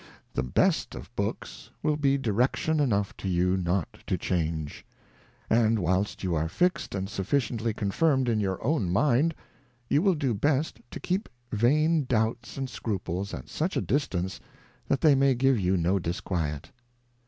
The Best of Books will be direction enough to you not to change ; and whilst you are fix'd and sufficiently confirm'd in your own Mind, you will do best to keep vain Doubts and Scruples at such a distance that they may give you no disquiet.